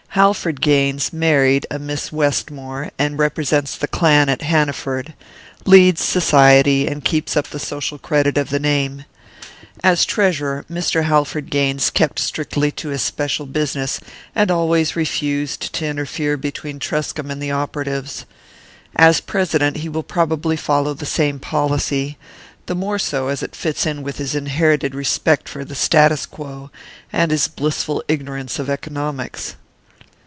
Halford Gaines married a Miss Westmore, and represents the clan at Hanaford leads society, and keeps up the social credit of the name. As treasurer, Mr. Halford Gaines kept strictly to his special business, and always refused to interfere between Truscomb and the operatives. As president he will probably follow the same policy, the more so as it fits in with his inherited respect for the status quo, and his blissful ignorance of economics."